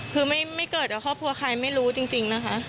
คือไม่เกิดกับครอบครัวใครไม่รู้จริงนะคะ